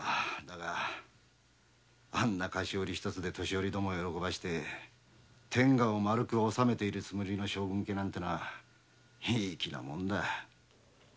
だがあんな菓子折一つで年寄りどもを喜ばせて天下を丸く治めているつもりの将軍家なんていい気なもんだ。